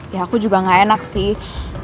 ya aku juga gak enak sih